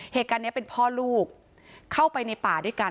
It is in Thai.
เหตุการณ์นี้เป็นพ่อลูกเข้าไปในป่าด้วยกัน